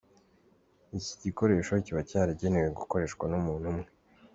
Iki gikoresho kiba cyaragenewe gukoreshwa n’umuntu umwe.